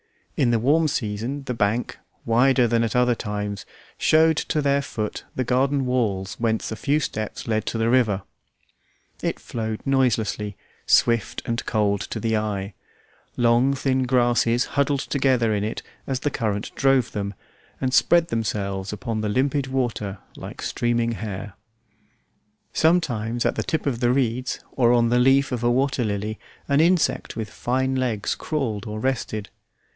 In the warm season the bank, wider than at other times, showed to their foot the garden walls whence a few steps led to the river. It flowed noiselessly, swift, and cold to the eye; long, thin grasses huddled together in it as the current drove them, and spread themselves upon the limpid water like streaming hair; sometimes at the tip of the reeds or on the leaf of a water lily an insect with fine legs crawled or rested.